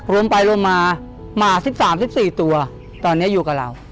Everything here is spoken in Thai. รวมไปรวมมามา๑๓๑๔ตัวตอนนี้อยู่กับเรา